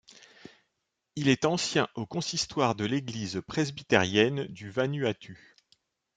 Il est Ancien au consistoire de l'Église presbytérienne du Vanuatu.